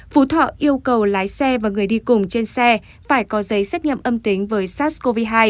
phú thọ yêu cầu lái xe và người đi cùng trên xe phải có giấy xét nghiệm âm tính với sars cov hai